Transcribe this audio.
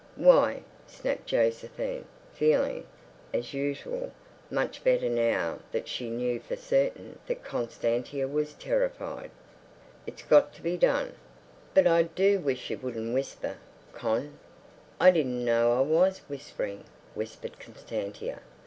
"Why?" snapped Josephine, feeling, as usual, much better now that she knew for certain that Constantia was terrified. "It's got to be done. But I do wish you wouldn't whisper, Con." "I didn't know I was whispering," whispered Constantia.